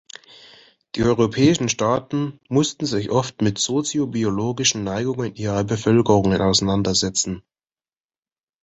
Die europäischen Staaten mussten sich oft mit soziobiologischen Neigungen ihrer Bevölkerungen auseinandersetzen.